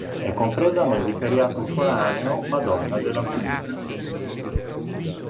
È compresa nel vicariato foraneo Madonna della Comuna.